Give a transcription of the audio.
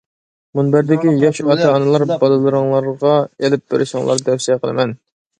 مۇنبەردىكى ياش ئاتا-ئانىلار باللىرىڭلارغا ئېلىپ بېرىشىڭلارنى تەۋسىيە قىلىمەن!